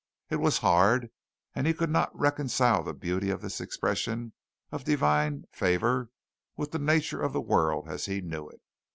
It was hard and he could not reconcile the beauty of this expression of Divine favor with the nature of the world as he knew it.